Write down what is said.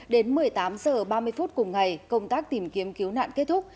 đến một mươi tám h ba mươi phút cùng ngày công tác tìm kiếm cứu nạn kết thúc